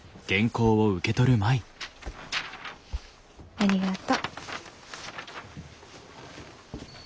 ありがと。